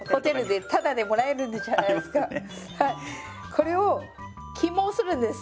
これを起毛するんです。